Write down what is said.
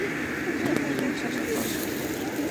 Тэр миний үгийг сонсоод доош суулаа.